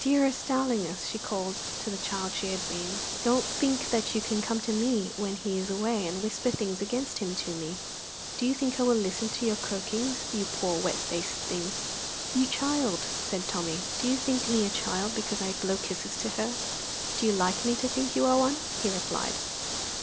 "Dearest, darlingest," she called to the child she had been, "don't think that you can come to me when he is away, and whisper things against him to me. Do you think I will listen to your croakings, you poor, wet faced thing!" "You child!" said Tommy. "Do you think me a child because I blow kisses to her?" "Do you like me to think you one?" he replied.